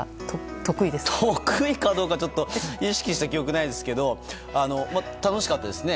得意かどうかは意識した記憶はないですが楽しかったですね。